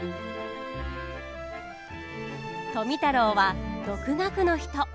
富太郎は独学の人。